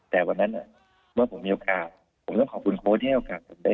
แต่วันนั้นเมื่อผมมีโอกาสผมต้องขอบคุณโพสต์ที่จะมีโอกาสครับ